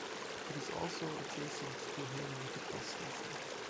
It is also adjacent to Haymarket bus station.